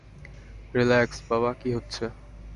Relax - বাবা, কি হচ্ছে?